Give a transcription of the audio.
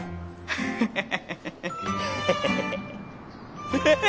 アハハハ！